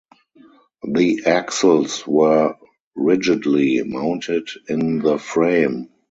The axles were rigidly mounted in the frame.